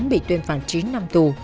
bị tuyên phạt chín năm tù